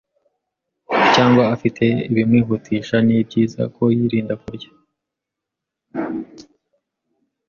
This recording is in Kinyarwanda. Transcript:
cyangwa afite ibimwihutisha, ni byiza ko yirinda kurya